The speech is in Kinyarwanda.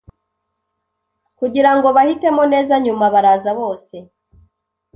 kugirango bahitemo neza Nyuma baraza bose